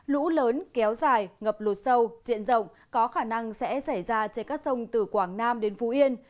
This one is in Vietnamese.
lũ lớn kéo dài ngập lụt sâu diện rộng có khả năng sẽ xảy ra trên các sông từ quảng nam đến phú yên